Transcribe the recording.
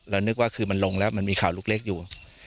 นึกว่าคือมันลงแล้วมันมีข่าวลูกเล็กอยู่